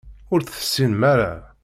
Ur tt-tessinem ara.